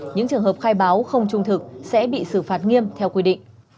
những trường hợp khai báo không trung thực sẽ bị xử phạt nghiêm theo quy định